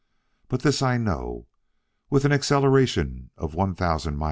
But this I know: with an acceleration of one thousand m.p.